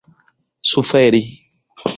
suferi